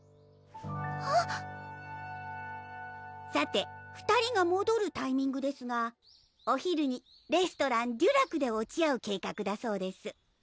あっさて２人がもどるタイミングですがお昼にレストラン・デュ・ラクで落ち合う計画だそうです